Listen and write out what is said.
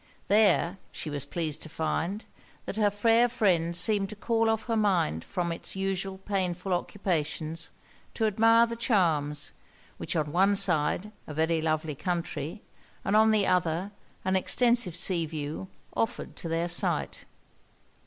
There, she was pleased to find, that her fair friend seemed to call off her mind from it's usual painful occupations to admire the charms, which on one side a very lovely country, and on the other an extensive sea view, offered to their sight.